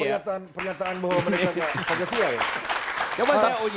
kenapa ada pernyataan bahwa mereka pancasila ya